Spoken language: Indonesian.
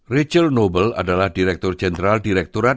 rachel nobel adalah direktur jenderal direkturat